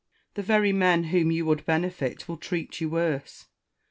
The very men whom you would benefit will treat you worse.